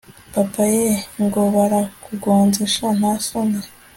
papa yeeeeh! ngo barakugonze sha, ntasoni!!